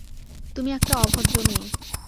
তুমি একটা অভদ্র মেয়ে।